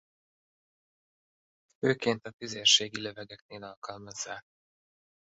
Főként a tüzérségi lövegeknél alkalmazzák.